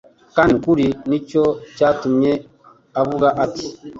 kandi mu kuri Nicyo cyatumye avuga ati :